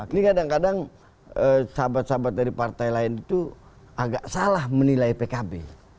ini kadang kadang sahabat sahabat dari partai lain itu agak salah menilai pkb